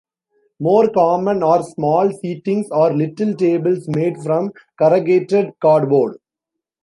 More common are small seatings or little tables made from corrugated cardboard.